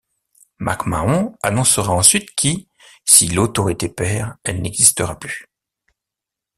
McMahon annoncera ensuite qui si l'Autorité perd, elle n'existera plus.